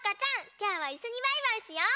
きょうはいっしょにバイバイしよう！